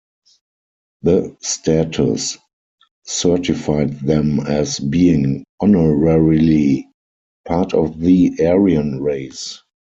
The status certified them as being honorarily part of the Aryan race.